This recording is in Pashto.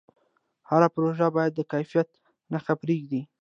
هر پروژه باید د کیفیت نښه پرېږدي.